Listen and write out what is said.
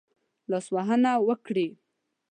لاسوهنه وکړي.